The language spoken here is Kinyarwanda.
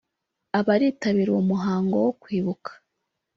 Abaritabira uwo muhango wo kwibuka